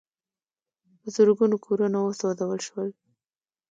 په زرګونو کورونه وسوځول شول.